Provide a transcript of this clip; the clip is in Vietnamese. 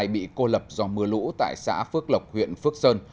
bị cô lập do mưa lũ tại xã phước lộc huyện phước sơn